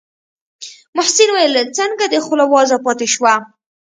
محسن وويل څنگه دې خوله وازه پاته شوه.